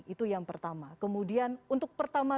itu yang pertama kemudian untuk pertama